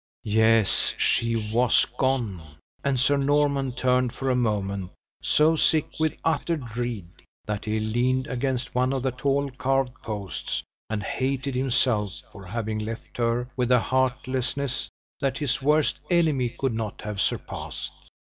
Yes, she was gone; and Sir Norman turned for a moment so sick with utter dread, that he leaned against one of the tall carved posts, and hated himself for having left her with a heartlessness that his worst enemy could not have surpassed.